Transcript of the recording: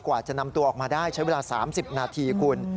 กว่าจะนำตัวออกมาได้ใช้เวลา๓๐นาทีคุณ